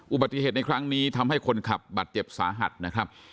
อุบัติเหตุในครั้งนี้ทำให้คนขับบาดเจ็บสาหัสนะครับ